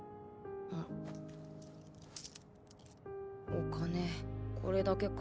お金これだけか。